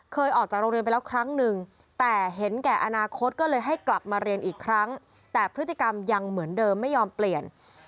กลับมาเรียนอีกครั้งแต่พฤติกรรมยังเหมือนเดิมไม่ยอมเปลี่ยน